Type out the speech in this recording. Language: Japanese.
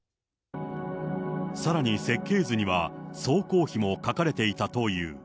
さらに設計図には、総工費も書かれていたという。